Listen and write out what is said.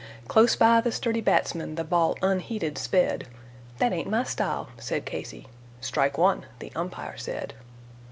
Close by the sturdy batsman the ball unheeded sped "That ain't my style," said Casey. "Strike one," the umpire said.